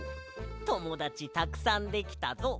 ともだちたくさんできたぞ。